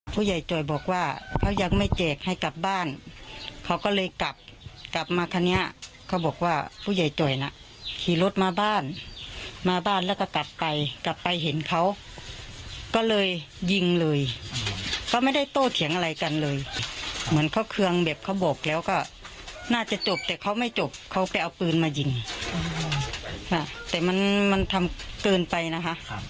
ผู้ใหญ่จ่อยบอกว่าเขายังไม่แจกให้กลับบ้านเขาก็เลยกลับกลับมาคันนี้เขาบอกว่าผู้ใหญ่จ่อยน่ะขี่รถมาบ้านมาบ้านแล้วก็กลับไปกลับไปเห็นเขาก็เลยยิงเลยเขาไม่ได้โตเถียงอะไรกันเลยเหมือนเขาเครื่องแบบเขาบอกแล้วก็น่าจะจบแต่เขาไม่จบเขาไปเอาปืนมายิงแต่มันมันทำเกินไปนะคะ